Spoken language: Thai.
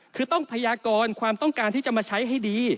คือต้องพยากรความต้องการที่จะมาใช้ให้ดี